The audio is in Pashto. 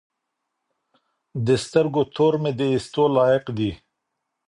د سترګو تور مي د ايستو لايق دي